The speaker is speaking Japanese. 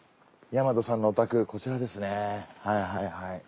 大和さんのお宅こちらですね。